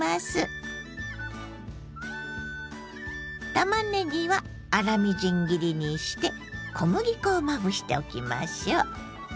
たまねぎは粗みじん切りにして小麦粉をまぶしておきましょう。